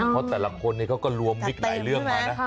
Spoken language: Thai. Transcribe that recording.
เพราะแต่ละคนเขาก็รวมมิกหลายเรื่องมานะ